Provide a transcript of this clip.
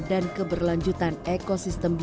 dan keberlanjutan ekosistem biotip